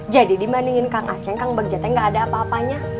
jadi dibandingin kang aceng kang bagja teh gak ada apa apanya